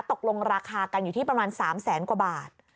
ตกลงราคากันอยู่ที่ประมาณ๓แสนกว่าบาท